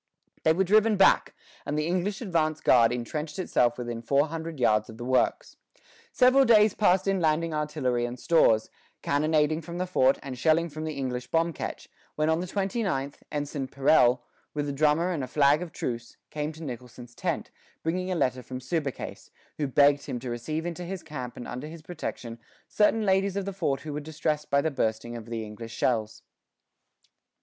They were driven back, and the English advance guard intrenched itself within four hundred yards of the works. Several days passed in landing artillery and stores, cannonading from the fort and shelling from the English bomb ketch, when on the twenty ninth, Ensign Perelle, with a drummer and a flag of truce, came to Nicholson's tent, bringing a letter from Subercase, who begged him to receive into his camp and under his protection certain ladies of the fort who were distressed by the bursting of the English shells.